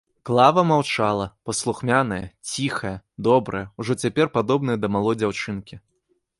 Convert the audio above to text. Клава маўчала, паслухмяная, ціхая, добрая, ужо цяпер падобная да малой дзяўчынкі.